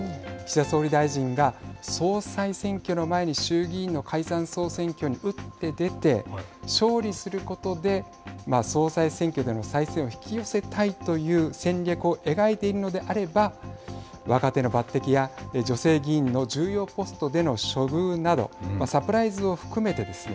岸田総理大臣は総裁選挙の前に衆議院の解散総選挙に打って出て勝利することで総裁選挙での再選を引き寄せたいという戦略を描いているのであれば若手の抜てきや女性議員の重要ポストでの処遇などサプライズを含めてですね